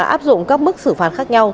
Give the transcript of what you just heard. áp dụng các mức xử phạt khác nhau